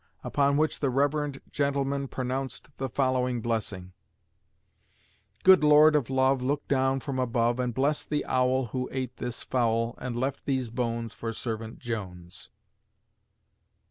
Upon which the Reverend gentleman pronounced the following blessing: "Good Lord of love Look down from above, And bless the 'Owl Who ate this fowl And left these bones For Scervant Jones."